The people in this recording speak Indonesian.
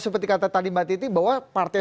seperti kata tadi mbak titi bahwa partai